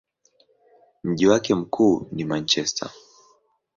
Mji wake mkuu ni Manchester.